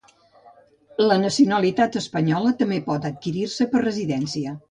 La nacionalitat espanyola també pot adquirir-se per residència.